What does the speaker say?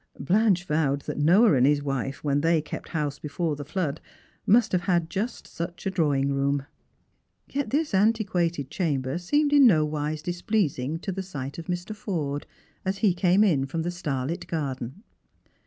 Blanche vowed that Noah and his wife, when they kept house before the flood, must have had just such a drawing room. Yet this antiquated chamber seemed in no wise displeasing to the sight of Mr. Forde as he came in from the starlit garden.